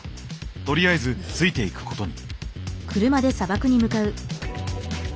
とりあえずついていくことに。